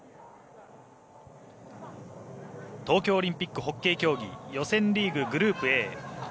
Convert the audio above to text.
東京オリンピックホッケー競技予選リーググループＡ。